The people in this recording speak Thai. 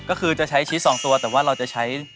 ก็คือจะใช้ชีส๒ตัวแต่ว่าเราจะใช้